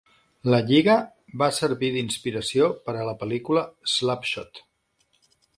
La lliga va servir d"inspiració per a la pel·lícula "Slap Shot".